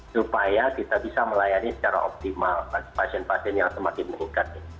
supaya kita bisa melayani secara optimal pasien pasien yang semakin meningkat